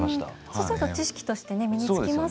そうすると知識として身につきますよね。